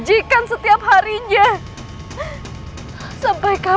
ibu tidak menyangka